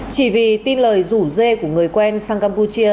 chỉ vì tin lời rủ dê của người quen sang campuchia